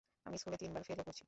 আমি স্কুলে তিনবার ফেলও করছি।